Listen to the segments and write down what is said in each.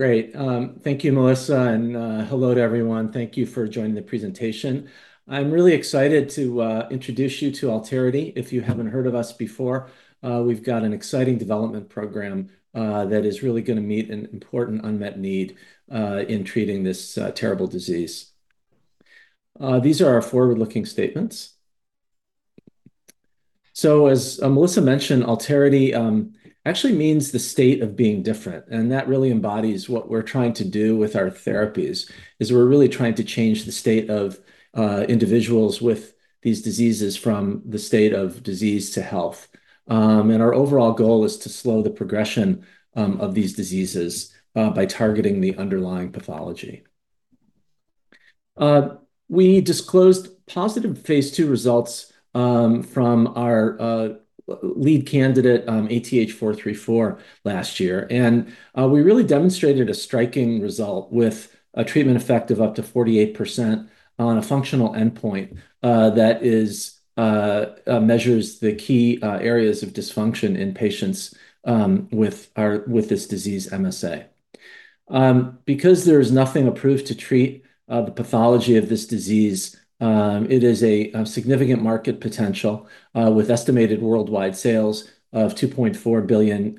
Great. Thank you, Melissa, and hello to everyone. Thank you for joining the presentation. I'm really excited to introduce you to Alterity. If you haven't heard of us before, we've got an exciting development program that is really gonna meet an important unmet need in treating this terrible disease. These are our forward-looking statements. As Melissa mentioned, Alterity actually means the state of being different, and that really embodies what we're trying to do with our therapies, is we're really trying to change the state of individuals with these diseases from the state of disease to health. Our overall goal is to slow the progression of these diseases by targeting the underlying pathology. We disclosed positive phase II results from our lead candidate ATH434 last year, and we really demonstrated a striking result with a treatment effect of up to 48% on a functional endpoint that measures the key areas of dysfunction in patients with this disease, MSA. Because there is nothing approved to treat the pathology of this disease, it is a significant market potential with estimated worldwide sales of $2.4 billion.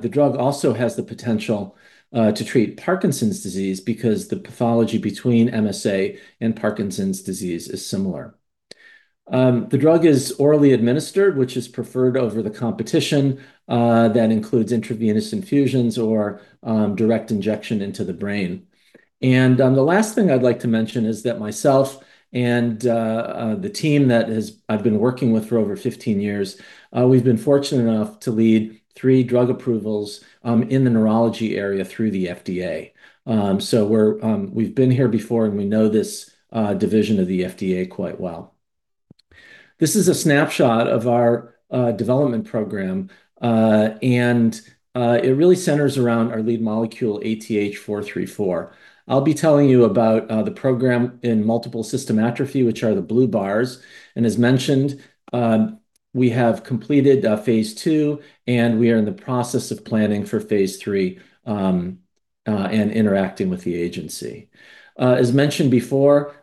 The drug also has the potential to treat Parkinson's disease because the pathology between MSA and Parkinson's disease is similar. The drug is orally administered, which is preferred over the competition that includes intravenous infusions or direct injection into the brain. The last thing I'd like to mention is that myself and the team that I've been working with for over 15 years, we've been fortunate enough to lead three drug approvals in the neurology area through the FDA. We've been here before, and we know this division of the FDA quite well. This is a snapshot of our development program, and it really centers around our lead molecule, ATH434. I'll be telling you about the program in multiple system atrophy, which are the blue bars. As mentioned, we have completed phase II, and we are in the process of planning for phase III, and interacting with the agency. As mentioned before,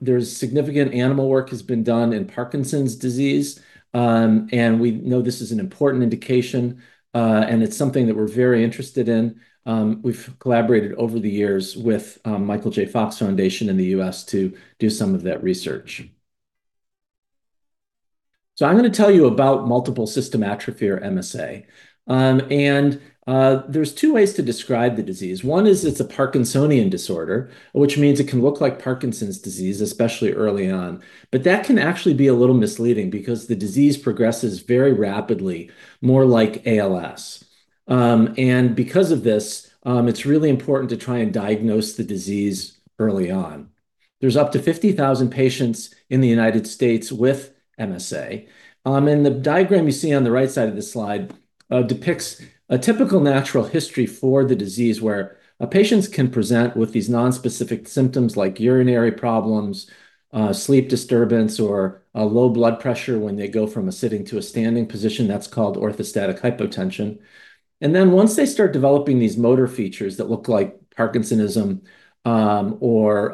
there's significant animal work has been done in Parkinson's disease, and we know this is an important indication, and it's something that we're very interested in. We've collaborated over the years with Michael J. Fox Foundation in the U.S. to do some of that research. I'm gonna tell you about multiple system atrophy, or MSA. There's two ways to describe the disease. One is it's a Parkinsonian disorder, which means it can look like Parkinson's disease, especially early on. That can actually be a little misleading because the disease progresses very rapidly, more like ALS. Because of this, it's really important to try and diagnose the disease early on. There's up to 50,000 patients in the United States with MSA. The diagram you see on the right side of the slide depicts a typical natural history for the disease, where patients can present with these nonspecific symptoms like urinary problems, sleep disturbance, or low blood pressure when they go from a sitting to a standing position. That's called orthostatic hypotension. Once they start developing these motor features that look like Parkinsonism, or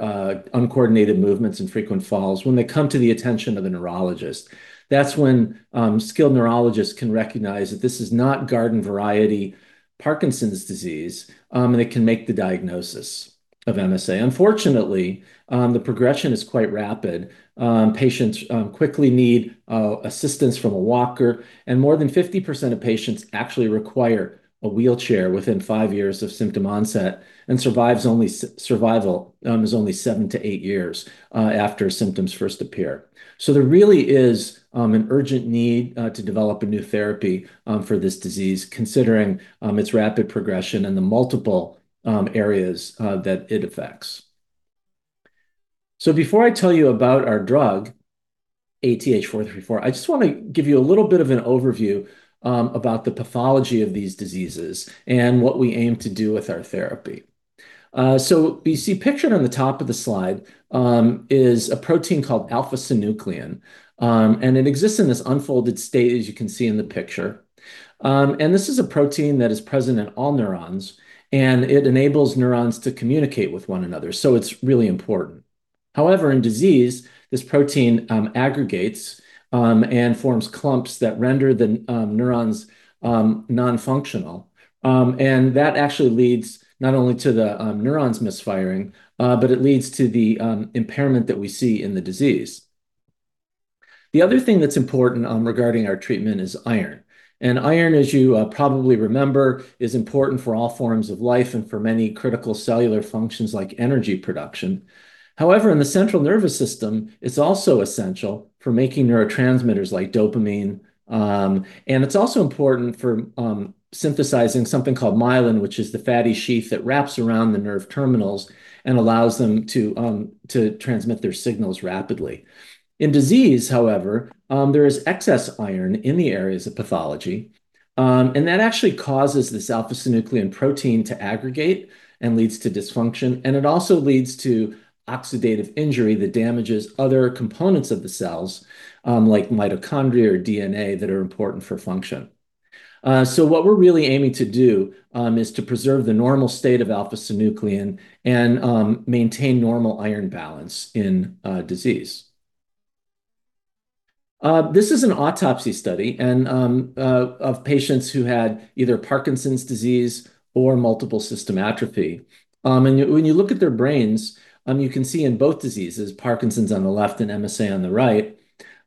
uncoordinated movements and frequent falls, when they come to the attention of a neurologist, that's when skilled neurologists can recognize that this is not garden variety Parkinson's disease, and they can make the diagnosis of MSA. Unfortunately, the progression is quite rapid. Patients quickly need assistance from a walker, and more than 50% of patients actually require a wheelchair within 5 years of symptom onset, and survival is only 7-8 years after symptoms first appear. There really is an urgent need to develop a new therapy for this disease, considering its rapid progression and the multiple areas that it affects. Before I tell you about our drug, ATH434, I just wanna give you a little bit of an overview about the pathology of these diseases and what we aim to do with our therapy. You see pictured on the top of the slide is a protein called alpha-synuclein, and it exists in this unfolded state, as you can see in the picture. This is a protein that is present in all neurons, and it enables neurons to communicate with one another, so it's really important. However, in disease, this protein aggregates and forms clumps that render the neurons non-functional. That actually leads not only to the neurons misfiring, but it leads to the impairment that we see in the disease. The other thing that's important regarding our treatment is iron. Iron, as you probably remember, is important for all forms of life and for many critical cellular functions like energy production. However, in the central nervous system, it's also essential for making neurotransmitters like dopamine. It's also important for synthesizing something called myelin, which is the fatty sheath that wraps around the nerve terminals and allows them to transmit their signals rapidly. In disease, however, there is excess iron in the areas of pathology, and that actually causes this alpha-synuclein protein to aggregate and leads to dysfunction, and it also leads to oxidative injury that damages other components of the cells, like mitochondria or DNA, that are important for function. What we're really aiming to do is to preserve the normal state of alpha-synuclein and maintain normal iron balance in disease. This is an autopsy study of patients who had either Parkinson's disease or multiple system atrophy. When you look at their brains, you can see in both diseases, Parkinson's on the left and MSA on the right,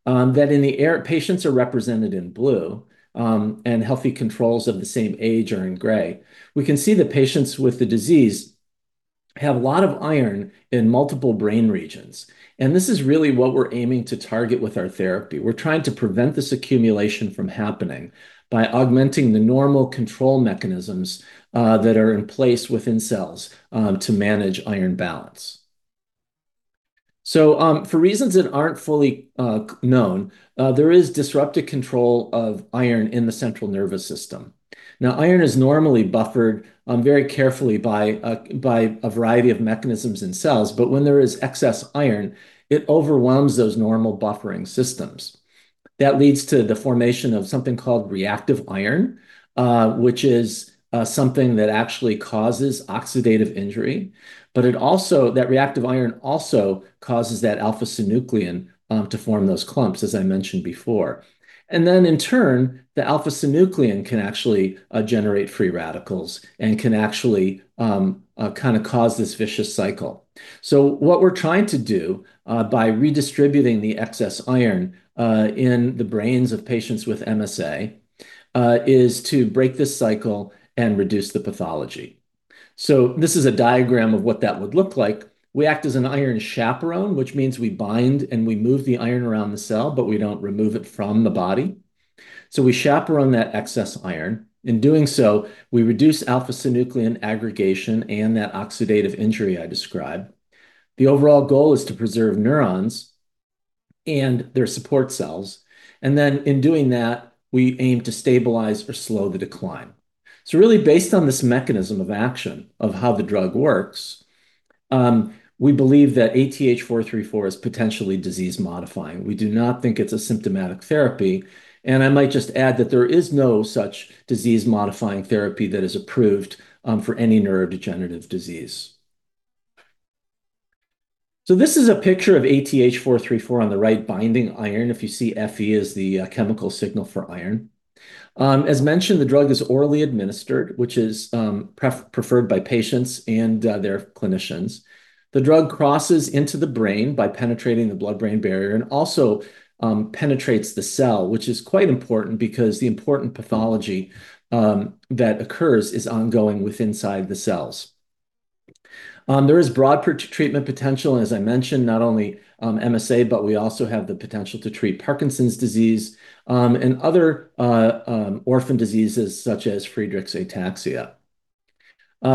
that patients are represented in blue, and healthy controls of the same age are in gray. We can see the patients with the disease have a lot of iron in multiple brain regions. This is really what we're aiming to target with our therapy. We're trying to prevent this accumulation from happening by augmenting the normal control mechanisms that are in place within cells to manage iron balance. For reasons that aren't fully known, there is disruptive control of iron in the central nervous system. Now, iron is normally buffered very carefully by a variety of mechanisms in cells. When there is excess iron, it overwhelms those normal buffering systems. That leads to the formation of something called reactive iron, which is something that actually causes oxidative injury. That reactive iron also causes that alpha-synuclein to form those clumps, as I mentioned before. In turn, the alpha-synuclein can actually generate free radicals and can actually kinda cause this vicious cycle. What we're trying to do by redistributing the excess iron in the brains of patients with MSA is to break this cycle and reduce the pathology. This is a diagram of what that would look like. We act as an iron chaperone, which means we bind, and we move the iron around the cell, but we don't remove it from the body. We chaperone that excess iron. In doing so, we reduce alpha-synuclein aggregation and that oxidative injury I described. The overall goal is to preserve neurons and their support cells. In doing that, we aim to stabilize or slow the decline. Really based on this mechanism of action of how the drug works, we believe that ATH434 is potentially disease-modifying. We do not think it's a symptomatic therapy. I might just add that there is no such disease-modifying therapy that is approved for any neurodegenerative disease. This is a picture of ATH434 on the right binding iron. If you see Fe is the chemical signal for iron. As mentioned, the drug is orally administered, which is preferred by patients and their clinicians. The drug crosses into the brain by penetrating the blood-brain barrier and also penetrates the cell, which is quite important because the important pathology that occurs is ongoing within the cells. There is broad treatment potential, as I mentioned, not only MSA, but we also have the potential to treat Parkinson's disease, and other orphan diseases such as Friedreich's ataxia.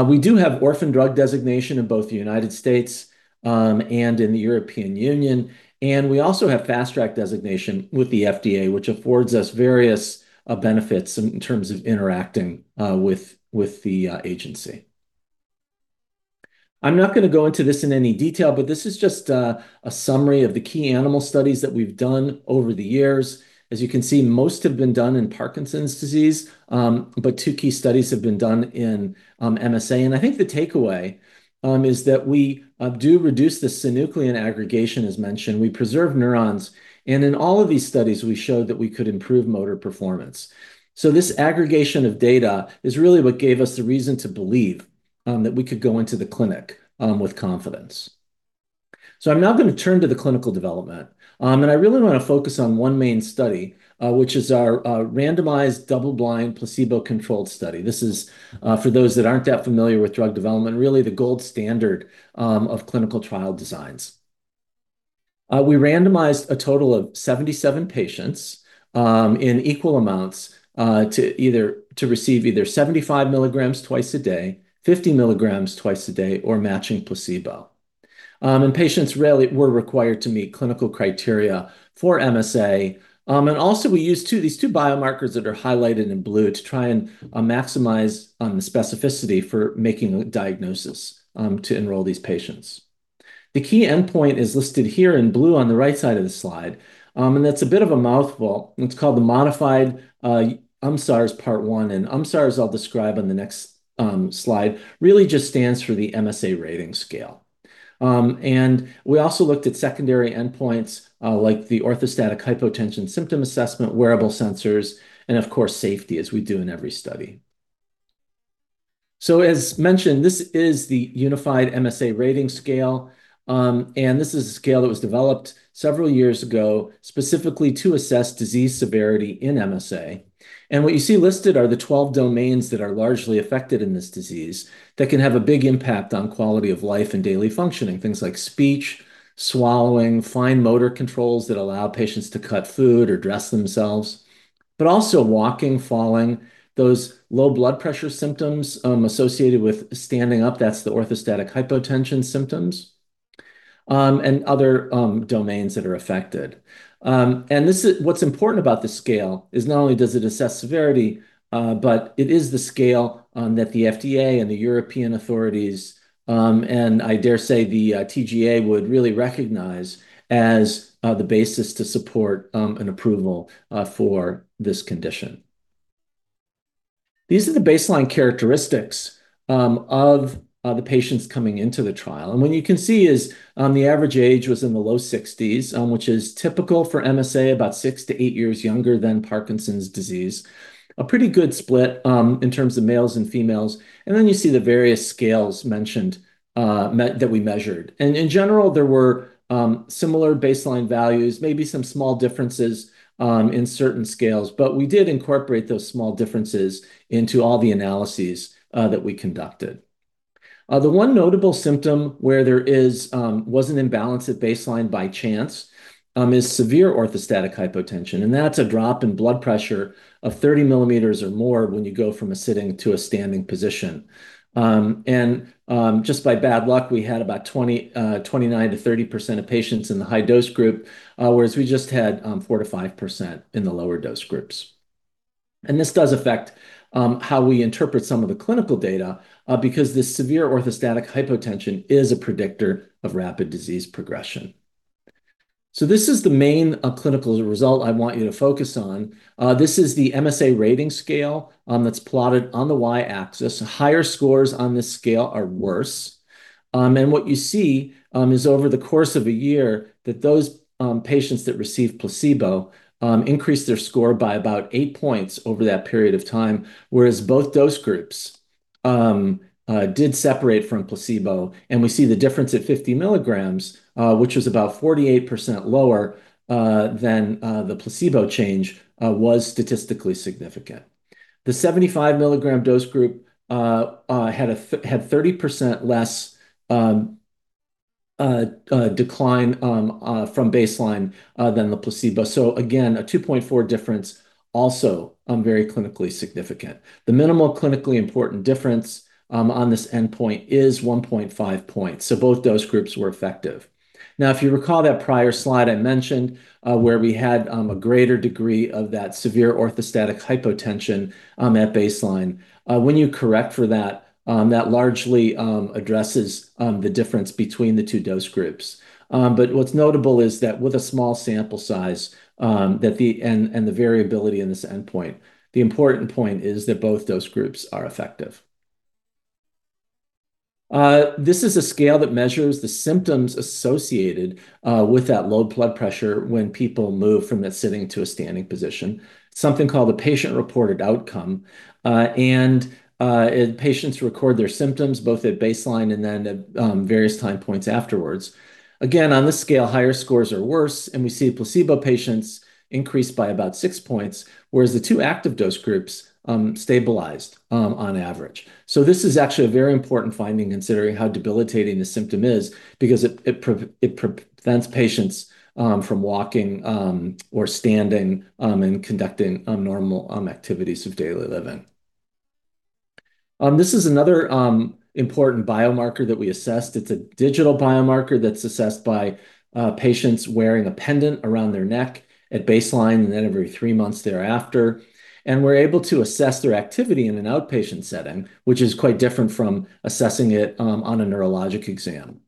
We do have orphan drug designation in both the United States, and in the European Union. We also have fast track designation with the FDA, which affords us various benefits in terms of interacting with the agency. I'm not gonna go into this in any detail, but this is just a summary of the key animal studies that we've done over the years. As you can see, most have been done in Parkinson's disease, but two key studies have been done in MSA. I think the takeaway is that we do reduce the synuclein aggregation, as mentioned. We preserve neurons. In all of these studies, we showed that we could improve motor performance. This aggregation of data is really what gave us the reason to believe that we could go into the clinic with confidence. I'm now gonna turn to the clinical development. I really wanna focus on one main study, which is our randomized double-blind placebo-controlled study. This is, for those that aren't that familiar with drug development, really the gold standard of clinical trial designs. We randomized a total of 77 patients in equal amounts to receive either 75 mg twice a day, 50 mg twice a day, or matching placebo. Patients really were required to meet clinical criteria for MSA. We used these two biomarkers that are highlighted in blue to try and maximize the specificity for making a diagnosis to enroll these patients. The key endpoint is listed here in blue on the right side of the slide. That's a bit of a mouthful. It's called the modified UMSARS Part One. UMSARS, I'll describe on the next slide, really just stands for the MSA Rating Scale. We also looked at secondary endpoints like the Orthostatic Hypotension Symptom Assessment, wearable sensors, and of course, safety, as we do in every study. As mentioned, this is the Unified MSA Rating Scale. This is a scale that was developed several years ago specifically to assess disease severity in MSA. What you see listed are the 12 domains that are largely affected in this disease that can have a big impact on quality of life and daily functioning. Things like speech, swallowing, fine motor controls that allow patients to cut food or dress themselves, but also walking, falling, those low blood pressure symptoms associated with standing up, that's the orthostatic hypotension symptoms, and other domains that are affected. What's important about this scale is not only does it assess severity, but it is the scale that the FDA and the European authorities, and I dare say the TGA would really recognize as the basis to support an approval for this condition. These are the baseline characteristics of the patients coming into the trial. What you can see is, the average age was in the low 60s, which is typical for MSA, about 6-8 years younger than Parkinson's disease. A pretty good split, in terms of males and females. Then you see the various scales mentioned, that we measured. In general, there were similar baseline values, maybe some small differences, in certain scales. We did incorporate those small differences into all the analyses, that we conducted. The one notable symptom where there was an imbalance at baseline by chance is severe orthostatic hypotension, and that's a drop in blood pressure of 30 mm or more when you go from a sitting to a standing position. Just by bad luck, we had about 29%-30% of patients in the high-dose group, whereas we just had 4%-5% in the lower dose groups. This does affect how we interpret some of the clinical data, because this severe orthostatic hypotension is a predictor of rapid disease progression. This is the main clinical result I want you to focus on. This is the MSA rating scale that's plotted on the Y-axis. Higher scores on this scale are worse. What you see is over the course of a year that those patients that receive placebo increase their score by about 8 points over that period of time, whereas both dose groups did separate from placebo. We see the difference at 50 mg, which is about 48% lower than the placebo change, was statistically significant. The 75 mg dose group had thirty percent less decline from baseline than the placebo. Again, a 2.4 difference also very clinically significant. The minimal clinically important difference on this endpoint is 1.5 points, so both dose groups were effective. Now, if you recall that prior slide I mentioned, where we had a greater degree of that severe orthostatic hypotension at baseline. When you correct for that largely addresses the difference between the two dose groups. What's notable is that with a small sample size, the variability in this endpoint, the important point is that both dose groups are effective. This is a scale that measures the symptoms associated with that low blood pressure when people move from a sitting to a standing position, something called a patient-reported outcome. Patients record their symptoms both at baseline and then at various time points afterwards. Again, on this scale, higher scores are worse, and we see placebo patients increase by about 6 points, whereas the two active dose groups stabilized on average. This is actually a very important finding considering how debilitating the symptom is because it prevents patients from walking or standing and conducting normal activities of daily living. This is another important biomarker that we assessed. It's a digital biomarker that's assessed by patients wearing a pendant around their neck at baseline and then every three months thereafter. We're able to assess their activity in an outpatient setting, which is quite different from assessing it on a neurologic exam.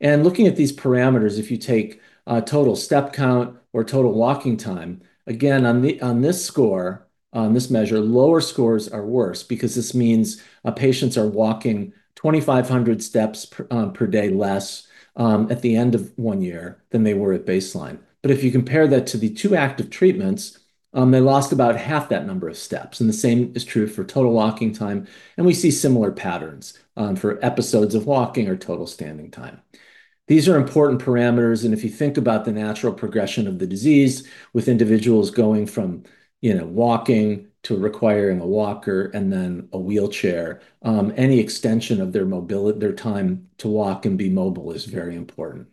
Looking at these parameters, if you take total step count or total walking time, again, on this score, on this measure, lower scores are worse because this means patients are walking 2,500 steps per day less at the end of one year than they were at baseline. If you compare that to the 2 active treatments, they lost about half that number of steps, and the same is true for total walking time. We see similar patterns for episodes of walking or total standing time. These are important parameters, and if you think about the natural progression of the disease with individuals going from, you know, walking to requiring a walker and then a wheelchair, any extension of their time to walk and be mobile is very important.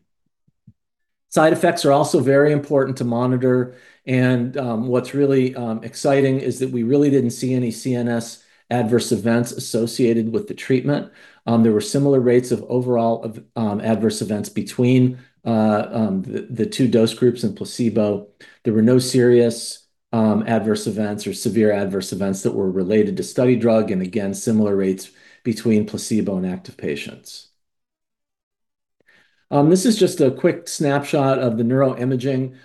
Side effects are also very important to monitor. What's really exciting is that we really didn't see any CNS adverse events associated with the treatment. There were similar rates of overall adverse events between the two dose groups and placebo. There were no serious adverse events or severe adverse events that were related to study drug and again, similar rates between placebo and active patients. This is just a quick snapshot of the neuroimaging,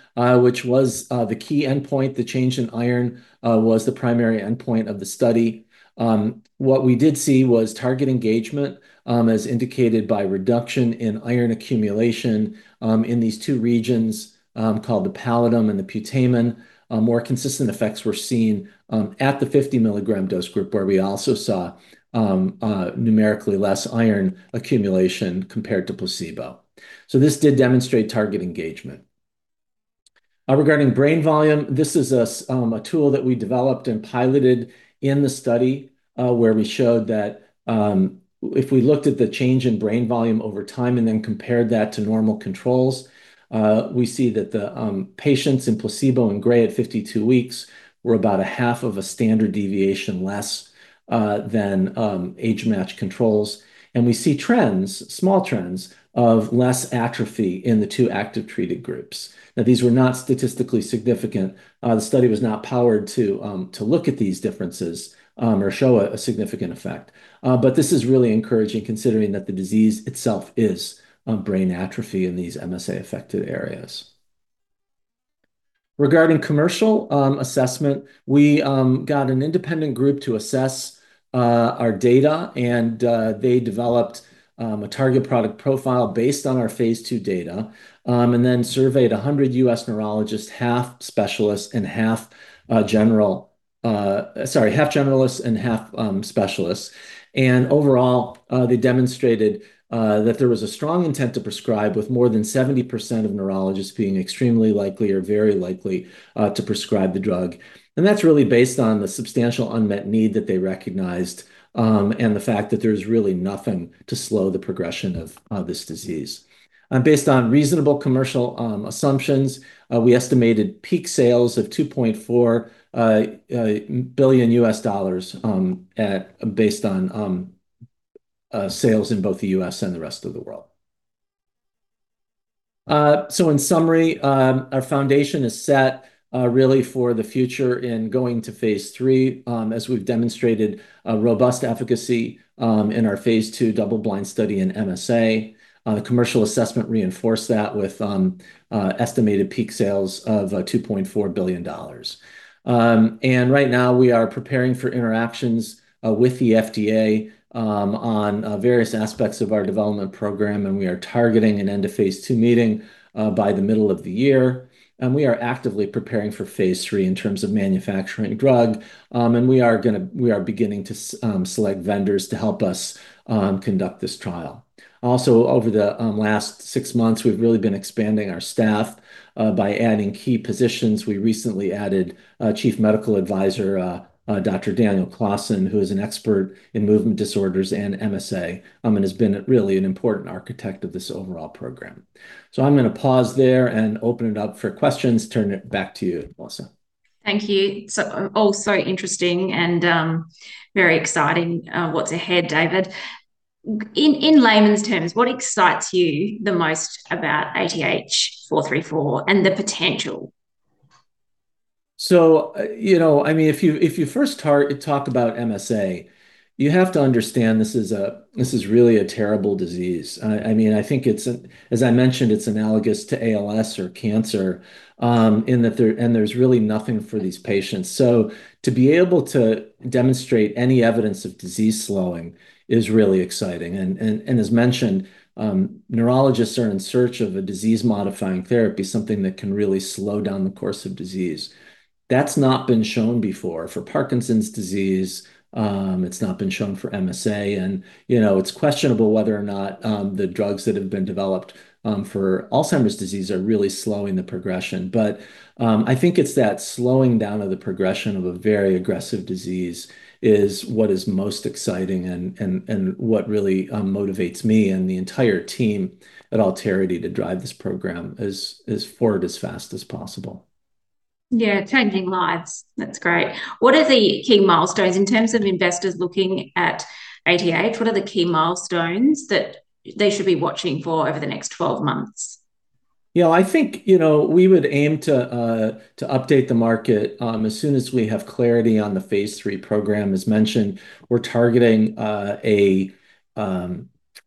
which was the key endpoint. The change in iron was the primary endpoint of the study. What we did see was target engagement, as indicated by reduction in iron accumulation, in these two regions, called the pallidum and the putamen. More consistent effects were seen at the 50-mg dose group, where we also saw numerically less iron accumulation compared to placebo. This did demonstrate target engagement. Regarding brain volume, this is a tool that we developed and piloted in the study, where we showed that if we looked at the change in brain volume over time and then compared that to normal controls, we see that the patients in placebo in gray at 52 weeks were about a half of a standard deviation less than age-matched controls. We see trends, small trends of less atrophy in the two active treated groups. Now, these were not statistically significant. The study was not powered to look at these differences or show a significant effect. This is really encouraging considering that the disease itself is brain atrophy in these MSA-affected areas. Regarding commercial assessment, we got an independent group to assess our data, and they developed a target product profile based on our phase II data and then surveyed 100 U.S. neurologists, half generalists and half specialists. Overall, they demonstrated that there was a strong intent to prescribe with more than 70% of neurologists being extremely likely or very likely to prescribe the drug. That's really based on the substantial unmet need that they recognized and the fact that there's really nothing to slow the progression of this disease. Based on reasonable commercial assumptions, we estimated peak sales of $2.4 billion based on sales in both the U.S. and the rest of the world. In summary, our foundation is set, really for the future in going to phase III, as we've demonstrated a robust efficacy in our phase II double-blind study in MSA. The commercial assessment reinforced that with estimated peak sales of $2.4 billion. Right now we are preparing for interactions with the FDA on various aspects of our development program, and we are targeting an end-of-phase II meeting by the middle of the year. We are actively preparing for phase III in terms of manufacturing drug, and we are beginning to select vendors to help us conduct this trial. Also, over the last six months, we've really been expanding our staff by adding key positions. We recently added a Chief Medical Advisor, Dr. Daniel O. Claassen, who is an expert in movement disorders and MSA, and has been really an important architect of this overall program. I'm gonna pause there and open it up for questions, turn it back to you, Melissa. Thank you. Also interesting and very exciting, what's ahead, David. In layman's terms, what excites you the most about ATH434 and the potential? You know, I mean, if you first talk about MSA, you have to understand this is really a terrible disease. I mean, I think it's as I mentioned, it's analogous to ALS or cancer, in that there and there's really nothing for these patients. To be able to demonstrate any evidence of disease slowing is really exciting. As mentioned, neurologists are in search of a disease-modifying therapy, something that can really slow down the course of disease. That's not been shown before. For Parkinson's disease, it's not been shown for MSA, and you know, it's questionable whether or not the drugs that have been developed for Alzheimer's disease are really slowing the progression. I think it's that slowing down of the progression of a very aggressive disease is what is most exciting and what really motivates me and the entire team at Alterity to drive this program as forward as fast as possible. Yeah, changing lives. That's great. What are the key milestones in terms of investors looking at ATH? What are the key milestones that they should be watching for over the next 12 months? Yeah, I think, you know, we would aim to update the market as soon as we have clarity on the phase III program. As mentioned, we're targeting an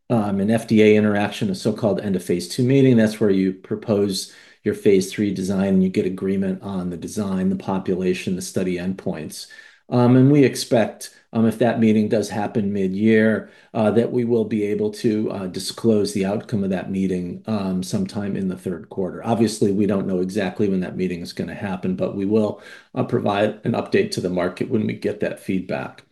FDA interaction, a so-called end-of-phase II meeting. That's where you propose your phase III design, and you get agreement on the design, the population, the study endpoints. We expect, if that meeting does happen mid-year, that we will be able to disclose the outcome of that meeting sometime in the third quarter. Obviously, we don't know exactly when that meeting is gonna happen, but we will provide an update to the market when we get that feedback.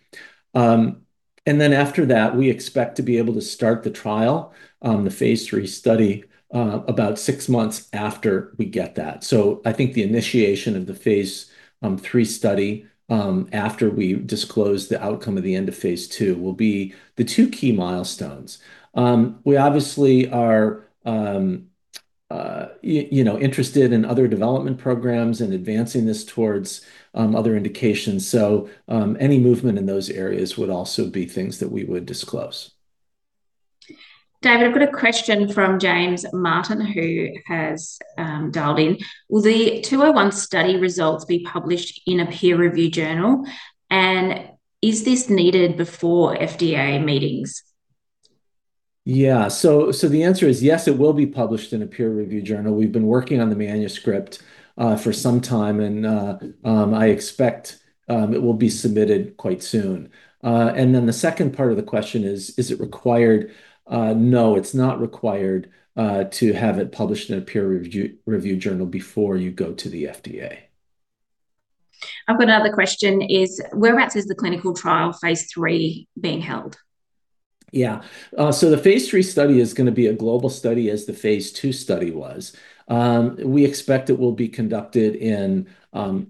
After that, we expect to be able to start the trial, the phase III study, about six months after we get that. I think the initiation of the phase III study after we disclose the outcome of the end-of-phase II will be the two key milestones. We obviously are you know interested in other development programs and advancing this towards other indications. Any movement in those areas would also be things that we would disclose. David, I've got a question from James Martin, who has dialed in. Will the 201 study results be published in a peer review journal? Is this needed before FDA meetings? Yeah. The answer is yes, it will be published in a peer review journal. We've been working on the manuscript for some time, and I expect it will be submitted quite soon. The second part of the question is it required? No, it's not required to have it published in a peer review journal before you go to the FDA. I've got another question. Whereabouts is the clinical trial phase III being held? Yeah. The phase III study is gonna be a global study as the phase II study was. We expect it will be conducted in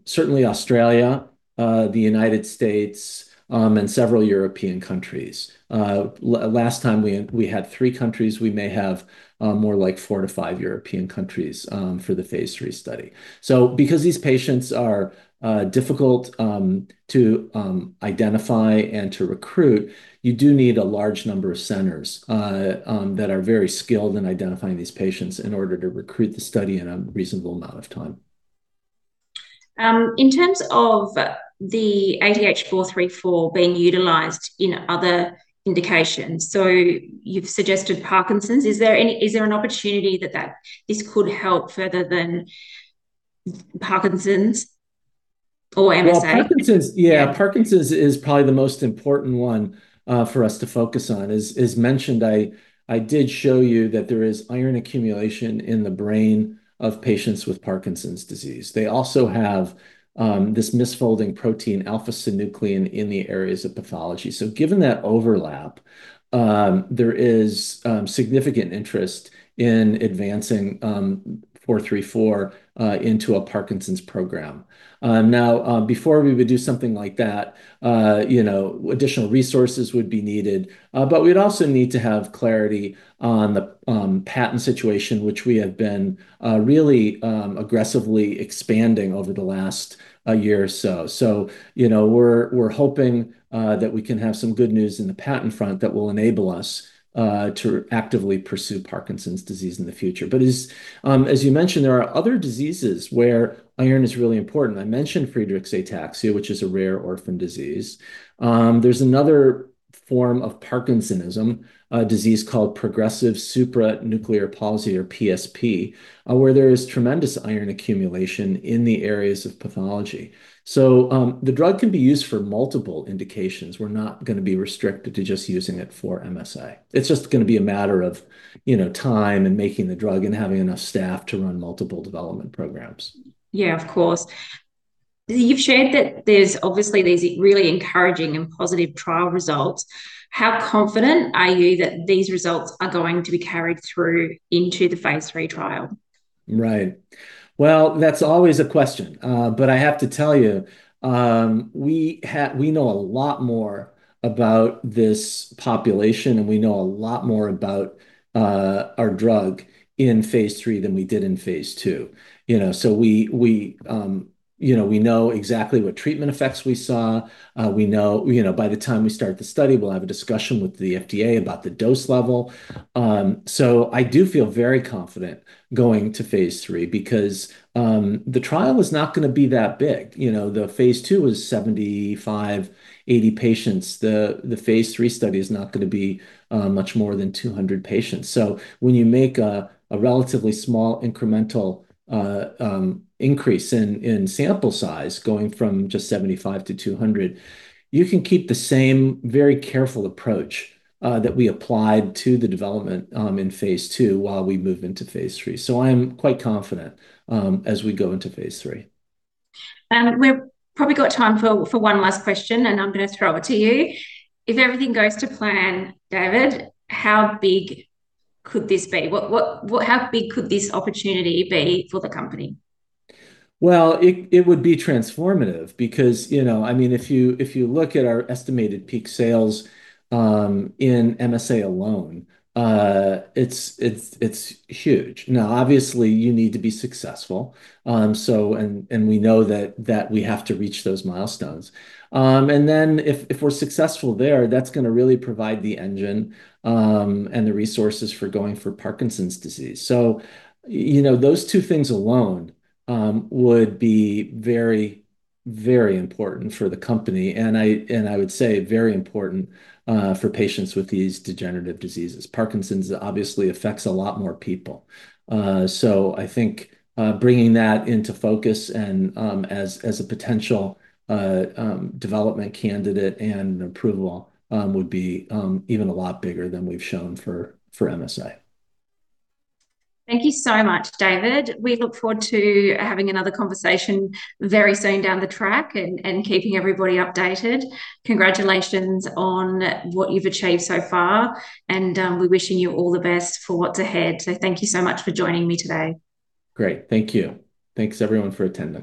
certainly Australia, the United States, and several European countries. Last time we had three countries, we may have more like four to five European countries for the phase III study. Because these patients are difficult to identify and to recruit, you do need a large number of centers that are very skilled in identifying these patients in order to recruit the study in a reasonable amount of time. In terms of the ATH434 being utilized in other indications. You've suggested Parkinson's. Is there an opportunity that this could help further than Parkinson's or MSA? Well, Parkinson's, yeah, Parkinson's is probably the most important one for us to focus on. As mentioned, I did show you that there is iron accumulation in the brain of patients with Parkinson's disease. They also have this misfolding protein, alpha-synuclein, in the areas of pathology. Given that overlap, there is significant interest in advancing ATH434 into a Parkinson's program. Now, before we would do something like that, you know, additional resources would be needed. But we'd also need to have clarity on the patent situation, which we have been really aggressively expanding over the last year or so. You know, we're hoping that we can have some good news in the patent front that will enable us to actively pursue Parkinson's disease in the future. As you mentioned, there are other diseases where iron is really important. I mentioned Friedreich's ataxia, which is a rare orphan disease. There's another form of Parkinsonism, a disease called progressive supranuclear palsy or PSP, where there is tremendous iron accumulation in the areas of pathology. The drug can be used for multiple indications. We're not gonna be restricted to just using it for MSA. It's just gonna be a matter of, you know, time and making the drug and having enough staff to run multiple development programs. Yeah, of course. You've shared that there's obviously these really encouraging and positive trial results. How confident are you that these results are going to be carried through into the phase III trial? Right. Well, that's always a question. But I have to tell you, we know a lot more about this population, and we know a lot more about our drug in phase III than we did in phase II. You know, so we, you know, we know exactly what treatment effects we saw. We know, you know, by the time we start the study, we'll have a discussion with the FDA about the dose level. So I do feel very confident going to phase III because the trial is not gonna be that big. You know, the phase II is 75-80 patients. The phase III study is not gonna be much more than 200 patients. When you make a relatively small incremental increase in sample size, going from just 75 to 200, you can keep the same very careful approach that we applied to the development in phase II while we move into phase III. I am quite confident as we go into phase III. We've probably got time for one last question. I'm gonna throw it to you. If everything goes to plan, David, how big could this be? What, how big could this opportunity be for the company? Well, it would be transformative because, you know, I mean, if you look at our estimated peak sales in MSA alone, it's huge. Now, obviously, you need to be successful. We know that we have to reach those milestones. Then if we're successful there, that's gonna really provide the engine and the resources for going for Parkinson's disease. You know, those two things alone would be very important for the company. I would say very important for patients with these degenerative diseases. Parkinson's obviously affects a lot more people. I think bringing that into focus and as a potential development candidate and approval would be even a lot bigger than we've shown for MSA. Thank you so much, David. We look forward to having another conversation very soon down the track and keeping everybody updated. Congratulations on what you've achieved so far, and we're wishing you all the best for what's ahead. Thank you so much for joining me today. Great. Thank you. Thanks everyone for attending.